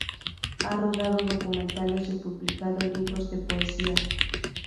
Ha rodado documentales y publicado libros de poesía.